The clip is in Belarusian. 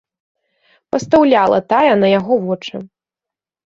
Пастаўляла тая на яго вочы.